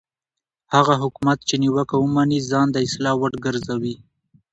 هغه حکومت چې نیوکه ومني ځان د اصلاح وړ ګرځوي